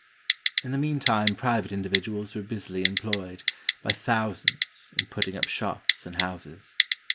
In the mean time pri vate individuals were busily employed, by thousands, in putting up shops and houses.